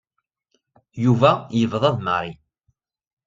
Yuba yebḍa d Mary.